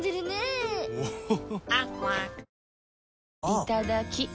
いただきっ！